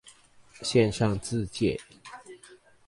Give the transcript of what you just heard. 線上自介